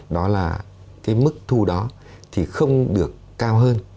đó là cái mức thu đó thì không được cao hơn